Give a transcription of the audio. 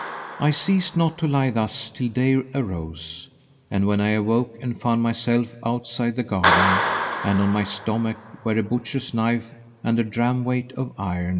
I ceased not to lie thus till day arose, when I awoke and found myself out side the garden, and on my stomach were a butcher's knife and a dram weight of iron.